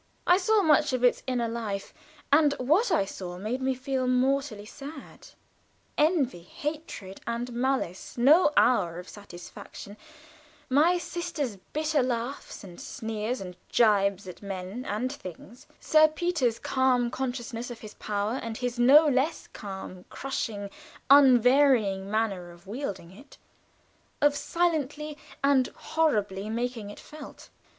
I saw much of its inner life, and what I saw made me feel mortally sad envy, hatred, and malice; no hour of satisfaction; my sister's bitter laughs and sneers and jibes at men and things; Sir Peter's calm consciousness of his power, and his no less calm, crushing, unvarying manner of wielding it of silently and horribly making it felt.